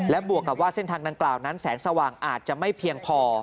บวกกับว่าเส้นทางดังกล่าวนั้นแสงสว่างอาจจะไม่เพียงพอ